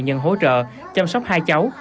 nhân hỗ trợ chăm sóc hai cháu